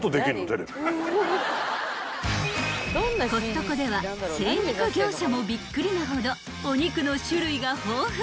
［コストコでは精肉業者もびっくりなほどお肉の種類が豊富］